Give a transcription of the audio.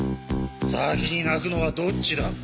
先に鳴くのはどっちだ？